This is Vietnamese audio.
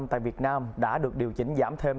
tại việt nam đã được điều chỉnh giảm thêm